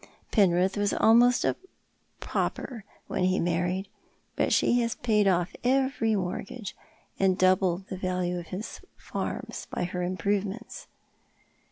Penrith was almost a jmuper when he married— but she has paid off every mortgage — and doubled the value of his farms by her improvements."